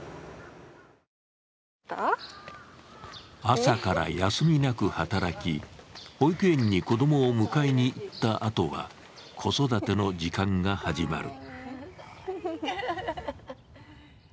朝から休みなく働き、保育園に子供を迎えに行ったあとは子育ての時間が始まる。